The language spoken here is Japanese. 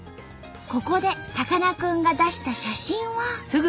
ここでさかなクンが出した写真は。